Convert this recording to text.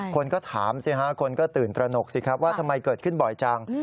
คนก็ถามคนก็ตื่นตระหนกว่าทำไมเกิดขึ้นบ่อยจัง